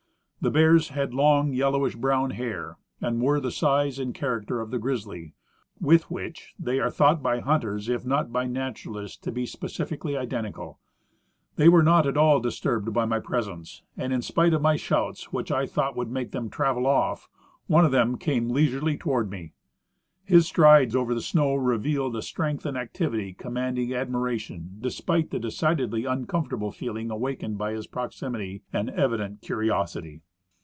The bears had long yellowish brown hair, and were of the size and character of the " grizzly," with which they are thought by hunters, if not by naturalists, to be specifically iden tical. They were not at all disturbed by my presence, and in spite of my shouts, which I thought would make them travel off, one of them came leisurely toward me. His strides over the snow revealed a strength and activity commanding admiration despite the decidedly uncomfortable feeling awakened by his proximity and evident curiosity.